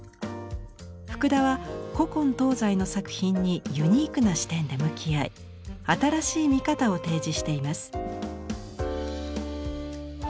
福田は古今東西の作品にユニークな視点で向き合い新しい見方を提示しています。